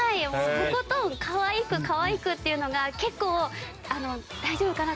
とことん可愛く可愛くっていうのが結構大丈夫かな？